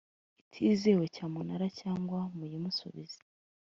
itizewe cyamunara cyangwa muyimusubize